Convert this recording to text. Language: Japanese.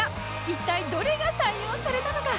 一体どれが採用されたのか？